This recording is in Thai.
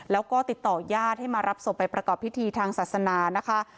แล้วก็ติดต่อญาติให้มารับศพไปประกอบพิธีทางศาสนานะคะ